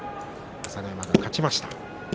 朝乃山が勝ちました。